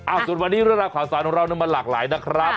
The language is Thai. อ้าวสุดวันนี้เรื่องราวของสาวนุ่นเราน้ำมันหลากหลายนะครับ